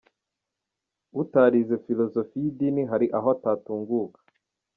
Utarize ‘Philosophie’ y’idini , hari aho utatunguka.